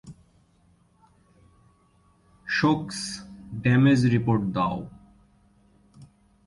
সোকস, damage report দাও।